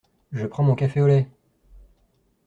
Je prends mon café au lait !